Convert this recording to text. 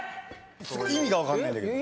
意味が分かんないんだけど。